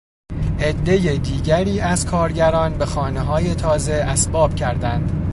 عدهٔ دیگری از کارگران به خانه های تازه اسباب کردند.